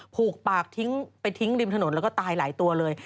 ผูกปากทิ้งไปทิ้งริมถนนแล้วก็ตายหลายตัวเลย